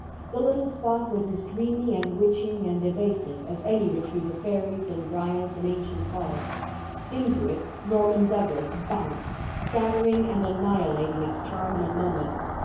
The little spot was as dreamy and witching and evasive as any retreat of fairies and dryads in ancient forests. Into it Norman Douglas bounced, scattering and annihilating its charm in a moment.